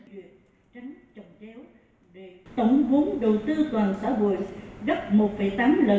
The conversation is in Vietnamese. đầu cả nước về thu hút đầu tư trực tiếp từ nước ngoài